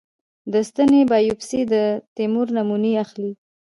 د ستنې بایوپسي د تومور نمونې اخلي.